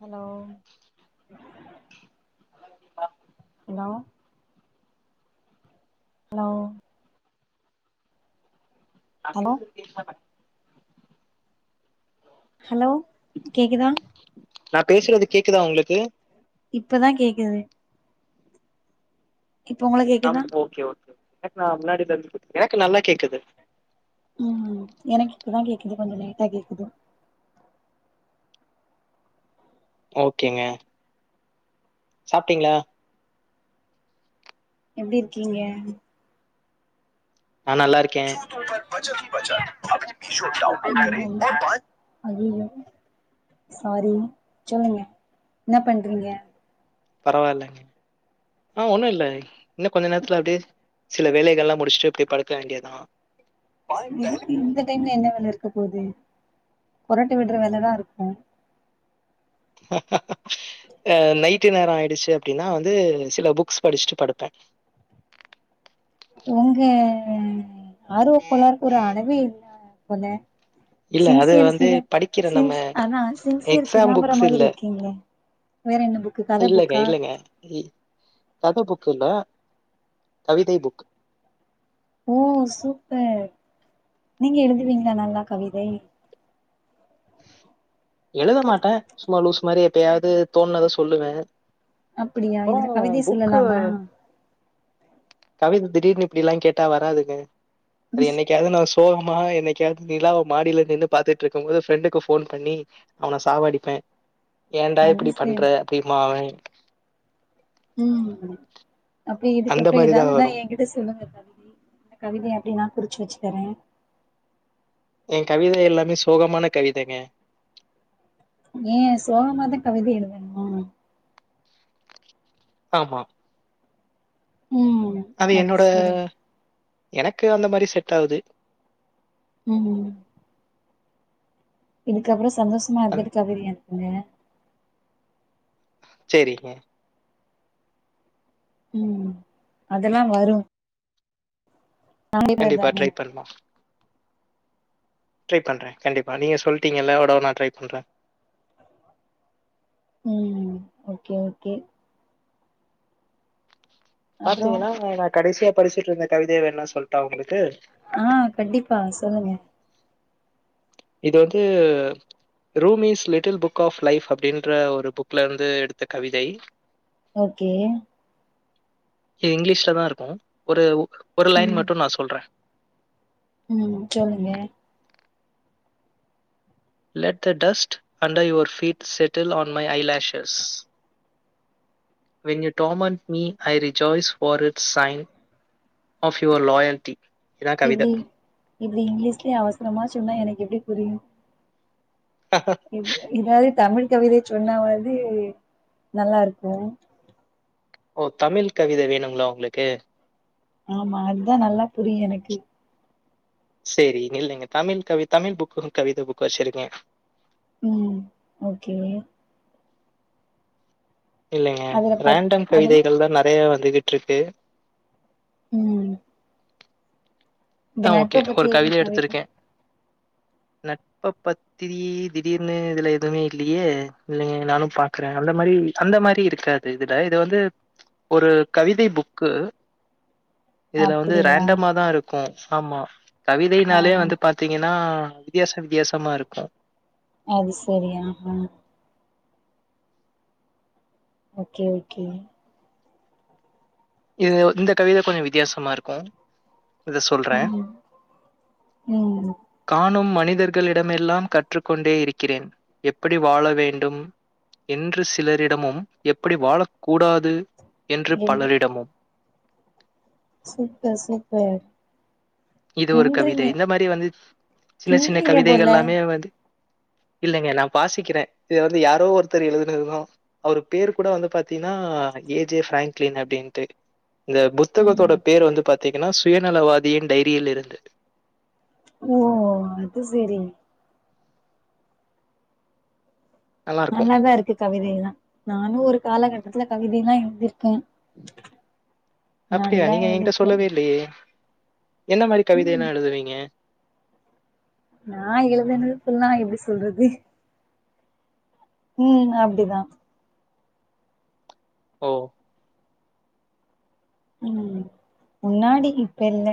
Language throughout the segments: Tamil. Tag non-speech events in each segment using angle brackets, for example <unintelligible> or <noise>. ஹலோ ஹலோ ஹலோ நா ஹலோ பேசுறது கேக்குதா <unintelligible> ஹலோ கேக்குதா நா பேசுறது கேக்குதா உங்களுக்கு இப்பதா கேக்குது இப்ப <unintelligible> உங்களுக்கு கேக்குதா <unintelligible> எனக்கு நல்லா கேக்குது ம் எனக்கு இப்பதா கேக்குது கொஞ்ச லேட்டா கேக்குது ஓகேங்க சாப்ட்டீங்ளா எப்டி இருக்கீங்க நா நல்லா இருக்கே <inaudible> சாரி சொல்லுங்க என்ன பண்றீங்க பரவால்லங்க ஆ ஒண்ணு இல்ல இன்னு கொஞ்ச நேரத்துல அப்டியே சில வேலைகல்லா முடிச்ட்டு இப்டி படுக்க வேண்டியதா இந்த டைம்ல என்ன வேல இருக்க போது கொறட்ட விட்ற வேலதா இருக்கூ அ நைட்டு நேர ஆயிடுச்சு அப்டின்னா வந்து சில புக்ஸ் படிச்ட்டு படுப்ப ஒங்க ஆர்வ கோளார்க்கு ஒரு அளவே இல்ல போல இல்ல அது சின்சியர் வந்து சிக படிக்கிற நம்ம சின்ஸ் அதா சின்சியர் எக்ஸாம் சிகாம்பரம் புக்ஸ் இல்ல மாதிரி இருக்கீங்களே வேற என்ன புக்கு கத இல்லங்க புக்கா இல்லங்க கத புக் ஃபுல்லா கவிதை புக் ஓ சூப்பர் நீங்க எழுதுவீங்ளா நல்லா கவிதை எழுத மாட்ட சும்மா லூசு மாரி எப்பயாவது தோன்னத சொல்லுவ அப்படியா அப்பறோ இதுல கவிதை புக்கு சொல்லலாமா கவிதை திடீர்னு இப்டில்லா கேட்டா வராதுங்க அது என்னைக்காவ்து நா சோகமா என்னை காது நிலாவ மாடில நின்னு பாத்துட் ருக்கும் போது ஃப்ரெண்டுக்கு ஃபோன் பண்ணி அவன சாவடிப்பே ஏன்டா அது இப்டி பண்ற சரி அப்டின்பா அவ ம் அப்டி அந்த இதுக்கப்புற மாரிதா ஏதாவ்துனா வரு. ஏன்கிட்ட சொல்லுங்க கவிதை இந்த கவிதை அப்டின்னா குறிச்சு வச்சு தர என் கவிதை எல்லாமே சோகமான கவிதங்க ஏ சோகமாதா கவிதை எழுதணுமா ஆமா ம் அது என்னோட சரி எனக்கு அந்த மாரி செட் ஆவ்து ம் ம் இதுக்கு அப்புற சந்தோஷமா அது இருந்துட்டு கவிதைஎழுதுங்க செரிங்க ம் அதெல்லா வரு கண்டிப்பா தானே ட்ரை பன்னு ட்ரை பண்ற கண்டிப்பா நீங்க சொல்ட்டீங்கல்ல ஒட ஒரு நாள் ட்ரை பண்ற உம் ஓகே ஓகே அப்றோ பாத்தீங்கன்னா நா கடைசியா படிச்சுட்டு இருந்த கவிதைய வேனா சொல்ட்டா உங்களுக்கு ஆஹ் கண்டிப்பா சொல்லுங்க இது வந்து Rumi's little book of life அப்படின்ற ஒரு புக்ல இருந்து எடுத்த கவிதை ஓகே இது இங்கிலீஷ்ல தான் இருக்கும் ஒரு ஒரு லைன் மட்டும் நான் சொல்றேன் உம் சொல்லுங்க லெட்ட dust under your feet settle on my eyelashes when you come and me I rejoice for it's sign of your loyalty இப்டி இப்டி இங்கிலீஷ்லயே அவசரமா சொன்னா எனக்கு எப்படி புரியும் இவ் இதாவ தமிழ் கவிதை சொன்னாவது நல்லா இருக்கும் ஓ தமிழ் கவிதை வேணுங்களா உங்களுக்கு ஆமா அதான் நல்லா புரியும் எனக்கு சேரி நில்லுங்க தமிழ் கவி தமிழ் புக்கு கவிதை புக் வச்சிருக்கே உம் ஓகே இல்லைங்க அதுல பத் ரேண்டம் அதுல கவிதைகள் தான் நிறைய வந்துகிட்டு இருக்கு உம் ஆஹ் ஓகே ஒரு எது கவிதைய கவிதை எடுத்திருக்கேன் நட்ப பத்தி திடீர்னு இதுல எதுவுமே இல்லையே இல்லைங்க நானும் பாக்குறேன் அந்த மாதிரி ம் அந்த மாதிரி இருக்காது இதுல இது வந்து ஒரு கவிதை புக்கு இதுல வந்து அப்டியா ரேண்டமாதான் இருக்கும் ஆமா கவிதைனாலே ஆஹா வந்து பாத்தீங்கன்னா வித்தியாச வித்தியாசமா இருக்கும் அது சரி ஆஹா ஓகே ஓகே இது இந்த கவிதை கொஞ்சம் வித்தியாசமா இருக்கும் இத சொல்றேன் ம் ம் காணும் மண் மனிதர்களிடமெல்லாம் கற்றுக் கொண்டே இருக்கிறேன் எப்படி வாழ வேண்டும் என்று சிலரிடமும் எப்படி வாழக் கூடாது என்று ரெண்டு பலரிடமும் சூப்பர் சூப்பர் இது ஒரு கவிதை பின்றீங்க இந்த மாதிரி வந்து சின்ன சின்ன பின்றீங்க கவிதைகள் போல எல்லாமே வந்து இல்லைங்க நான் வாசிக்கிறேன் இத வந்து யாரோ ஒருத்தர் எழுதுனதுதா அவரு பேர் கூட வந்து பாத்தீன்னா ஏ ஜே பிராங்க்லீன் அப்படின்ட்டு இந்த புத்தகத்தோட ம் பேர் வந்து பாத்தீங்கன்னா சுயநலவாதியின் டைரியில் இருந்து ஓ அது சேரி நல்லாருக்கும். நல்லாதா இருக்கு கவிதை எல்லாம் நானும் ஒரு காலகட்டத்துல கவிதை எல்லாம் எழுந்திருக்கேன் அப்படியா நீங்க என்கிட்ட எழுதிருக்கே சொல்லவே இல்லையே என்ன மாரி கவிதை ம் எல்லாம் எழுதுவீங்க நா எழுதுனதுகுல்லாம் எப்படி சொல்றது ம் அப்படிதான் ஓ உம் முன்னாடி இப்ப இல்ல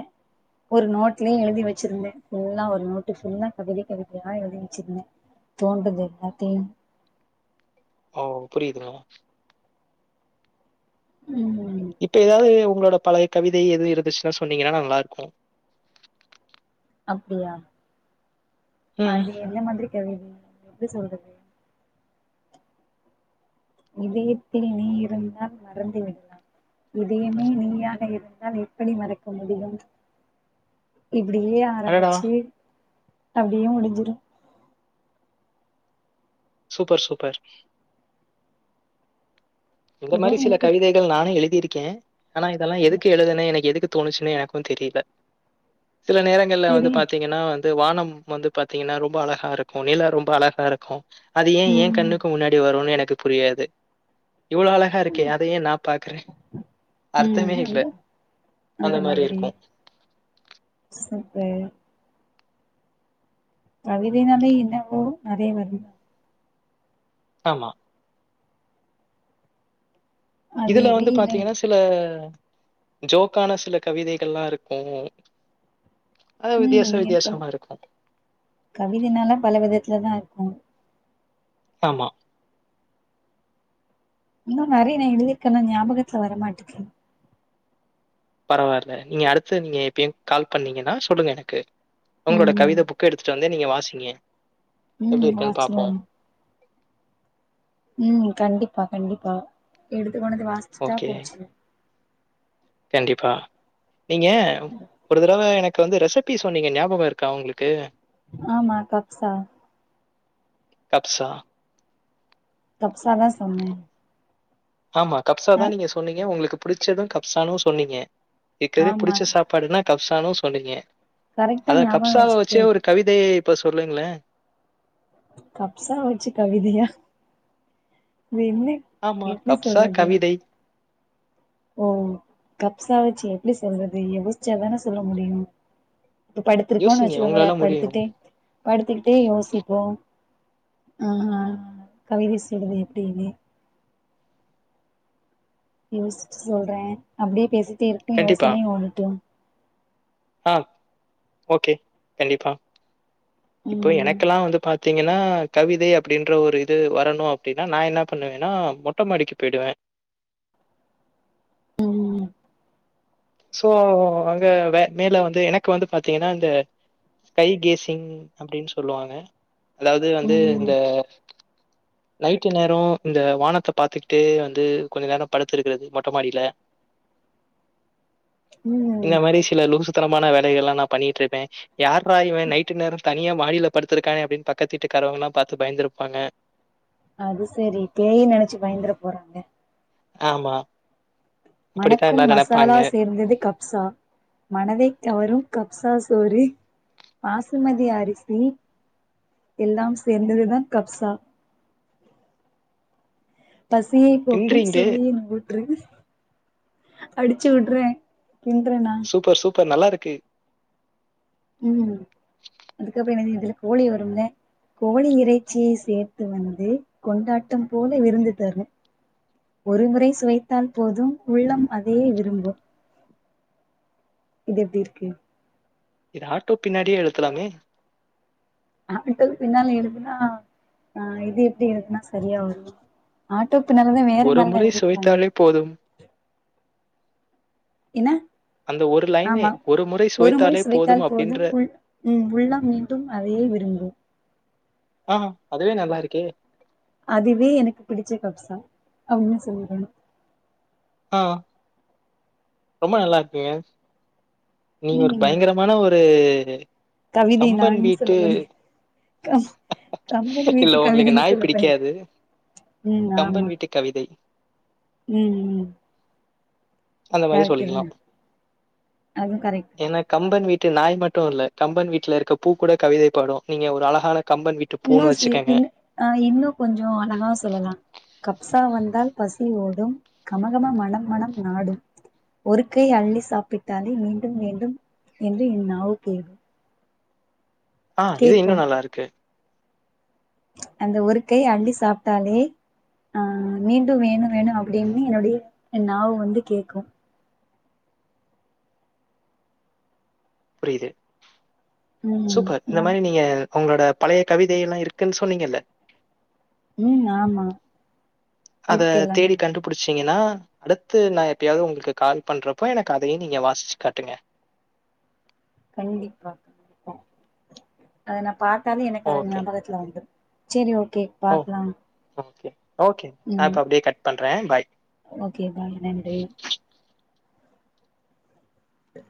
ஒரு நோட்லயும் எழுதி வச்சிருந்தேன் ஃபுல்லா ஒரு நோட்டு ஃபுல்லா கவிதை கவிதையா எழுதி வச்சிருந்தேன் தோண்டுது எல்லாத்தையும் ஓ புரியுதுங்க ம் இப்ப ஏதாவது உங்களோட பழைய கவிதை எதுவும் இருந்துச்சுன்னா சொன்னீங்கன்னா நல்லா இருக்கும் அப்படியா ம். அது என்ன மாதிரி கவிதை எப்புடி சொல்றது இதயத்தில் நீ இருந்தால் மறந்து விடலாம் இதையுமே நீயாக இருந்தால் எப்படி மறக்க முடியும் இப்டியே அடடா! ஆரம்பிச்சு அப்டியே முடிஞ்சிரும் சூப்பர் சூப்பர் இந்த ஏதோ மாதிரி சில எனக்கு கவிதைகள் நானே எழுதிருக்கேன் ஆனா இதெல்லாம் எதுக்கு எழுதுன எனக்கு எதுக்கு தோணுச்சுன்னு எனக்கும் தெரியல சில நேரங்கள்ல வந்து தெரியு பாத்தீங்கன்னா வந்து வானம் வந்து பாாத்தீங்கன்னா ரொம்ப அழகா இருக்கு நிலா ரொம்ப அழகா இருக்கு அது ஏ எ ம் கண்ணுக்கு முன்னாடி வரும்னு எனக்கு புரியாது இவ்ளோ அழகா இருக்கே அதையே நான் பாக்குற ம் அர்த்தமே இல்ல அந்த அந்த மாரி இருக்கும் சூப்ப கவிதைனாலே என்னவோ அதே வருது தா ஆமா அது இதுல வந்து எப்டினு பாத்தீங்கன்னா சில ஜோக்கான சில கவிதைகள்லா இருக்கும் அது ம் வித்தியாச இருக்ககும் வித்தியாசமா இருக்கும். கவிதைனால பல விதத்துலதா இருக்கு ஆமா இன்னு நெறையா நா எழுதியிருக்கேன் ஆனா ஞாபகத்துல வரமாட்டுக்கு பரவால்ல நீங்க அடுத்து நீங்க எப்பயும் கால் பண்ணீங்கன்னா சொல்லுங்க எனக்கு உங்களோட ம் கவிதை புக்கு எடுத்துட்டு வந்தே நீங்க வாசிங்க எப்டி ம் இருக்குன்னு பாப்போம். ஆச்சேரி ம் கண்டிப்பா கண்டிப்பா எடுத்து கொண்டுவந்து வாசுச்சுட்டா ஓகே. போச்சு கண்டிப்பா நீங்க ஒரு தடவ எனக் கு வந்து ரெசபி சொன்னீங்க ஞாபக இருக்கா உங்களுக்கு ஆமா கப்சா கப்ஸா கப்சாதா சொன்ன ஆமா கப்ஸாதா நீங்க சொன்னீங்க உங்களுக்கு புடுச்சதும் கப்ஸானும் சொன்னீங்க இருக்கிறதே ஆமா புடுச்ச சாப்பாடுன்னா கப்ஸானும் சொன்னீங்க கரெக்டா அதா ஞாபகம் கப்ஸாவ வச்சே வச்சிருக்கீங்க ஒரு கவிதைய இப்ப சொல்லுங்களே கப்சா வச்சு கவிதையா என்ன ஆமா, எப்டி கப்ஸா சொல்றது கவிதை. ஓ கப்சா வச்சு எப்படி சொல்றது யோசிச்சாதான சொல்ல முடியும் இப்ப படுத்திருக்கோம்ன்னு யோசிங்க வச்சுக்கோங்களே உங்களால முடியும். படுத்துட்டே படுத்துக்கிட்டே யோசிப்போம் ஆஹ கவிதை சொல்றது எப்டினு யோசிச்சு சொல்றே அப்டியே பேசிட்டே இருப்போ கண்டிப்பா. யோசனையும் ஓடட்டும் ஆ ஓகே கண்டிப்பா இப்போ ம் எனக்கெல்லா வந்து பாத்தா பாத்தீங்கன கவிதை அப்டின்ற ஒரு இது வரனும் அப்டின்னா நா என்ன பண்ணுவேன்னா மொட்ட மாடிக்கு போயிடுவே <inaudible> ம் சோ அங்க வே மேல வந்து எனக்கு வந்து பாத்தீங்கன்னா இந்த ஸ்கை கேஸிங் அப்டின் சொல்லுவாங்க அதாவது வந்து ம் இந்த <inaudible> நைட்டு நேரம் இந்த வானத்த பாத்துக்கிட்டு வந்து கொஞ்சொ நேரம் படுத்து இருக்றது மொட்ட மாடில <inaudible> இந்த ம் மாரி சில லூஸ் த்தனமான வேலைகலெல்லாம் பண்ணிட்டு இருப்ப யார்ரா இவ நைட்டு நேரம் தனியா மாடியில படுத்திருக்கானே பக்கத்து வீட்டு க்காறவங்கல்லா பார்த்து பயந்திருப்பாங்க அது சேரி பேயுன்னு நெனச்சு பயந்துர போறாங்க ஆமா அப்படித்தான் மணக்கும் எல்லாரும் மசாலா நெனைப்பாங்க. சேர்ந்தது கப்சா மனதை கவரும் கப்சா தோழி பாசுமதி அரிசி எல்லாம் சேர்ந்ததுதா கப்சா பசியை போக்கும் பின்றீங்களே சுவையின் ஊற்று அடிச்சு விடறே கின்றனா இப்ப நல்லா இருக்கு ம் அதுக்கப்றோ என்னடி இதுல கோழி வருல கோழி இறைச்சி சேர்த்து வந்து கொண்டாட்டம் போல விருந்து தரு ஒருமுறை சுவைத்தால் போதும் உள்ளம் அதையே விரும்பும் இது எப்டி இருக்கு இது ஆட்டோ பின்னாடியே எழுத்தலாமே ஆட்டோ பின்னால எழுதுனா ஆ இது எப்டி எழுதுனா சரியா வரு ஆ ட்டோ பின்னாலதா வேற ஒரு மாரில்லா முறை எழுதிருப்பாங்களே சுவைத்தாலே போதும். என்ன அந்த ஒரு லைனே ஆமா ஒரு முறை ஒரு முறை சுவைத்தாலே சுவைத்தால் அப்படின்ற போதும் உள் ம் உள்ளம் மீண்டும் அதயே விரும்பும் ஆ அதுவே நல்லா இருக்கே அதுவே எனக்கு பிடிச்ச கப்சா அப்டின்னு சொல்லிடணு ஆ ரொம்ப நல்லா இருக்கே நீங்க ஒரு ம் பயங்கரமான ஒரு கவிதை கம்பன் நான்னு சொல்ல வீட்டு போறியா கம் கம்பன் இல்ல வீட்டு உங்களுக்கு கவிதைன்னு நாய் சொல்ல போறியா பிடிக்காது ம் ஆமா கம்பன் வீட்டு கவிதை ம் ம் அந்த மாரி கரெக்ட்டு தா சொல்லிக்கலா அதுவு கரெக்ட்டு தா ஏனா கம்பன் வீ ட்டு நாய் மட்டு இல்ல கம்பன் வீட்ல இருக்க பூ கூட கவிதை பாடு நீங்க ஒரு அழகான கம்பன் வீட்டு பூன்னு இன்னும் சி வச்சுக்கோங்க இன் ஆ இன்னு கொஞ்சோ அழகா சொல்லலா கப் சா வந்தால் பசி ஓடும் கமகம மனம் மனம் நாடும் ஒரு கை அள்ளி சாப்பிட்டாலே மீண்டும் மீண்டும் என்று என் நாவு கே ஆ இது இன்னு நல்லா இருக்கு அந்த ஒரு கை அள்ளி சாப்ட்டாலே அ மீண்டும் வேணு வேணு அப்டின்னு என்னுடைய என் நாவு வந்து கேக்கு புரிது ம் சூப்பர் இந்த நா மாரி நீங்க அவுங்களோட பழைய கவிதை எல்லா இருக்குன்னு சொன்னீங்கல்ல ம் ஆமா அத இருக்கு எல்லாமே தேடி கண்டுபுடுச்சிட்டீங்கனா அடுத்து நா எப்பயாது உங்களுக்கு கால் பண்றப்போ எனக்கு அதயு நீங்க வாசிச்சு காட்டுங்க கண்டிப்பா அ அத நா பாத்தாவே எனக்கு அது ஓகே ஞாபகத்துல வந்துரு சரி ஓகே ஓ பாக்லா ஓகே ஓகே நா இப்ப அப்டியே கட் பண்ற பாய் ஓகே பாய் நன்றி சரி